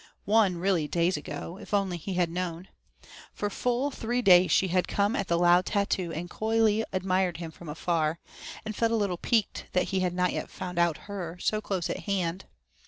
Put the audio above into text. Won, really, days ago, if only he had known. For full three days she had come at the loud tattoo and coyly admired him from afar, and felt a little piqued that he had not yet found out her, so close at hand.